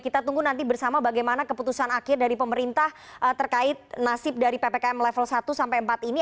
kita tunggu nanti bersama bagaimana keputusan akhir dari pemerintah terkait nasib dari ppkm level satu sampai empat ini